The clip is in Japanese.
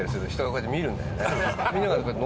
こうやって。